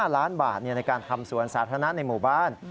๕ล้านบาทในการทำสวนสาธารณะในหมู่บ้าน